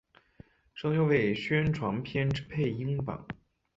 声优为宣传片之配音版。